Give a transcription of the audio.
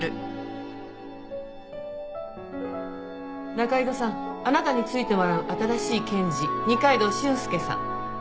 仲井戸さんあなたに付いてもらう新しい検事二階堂俊介さん。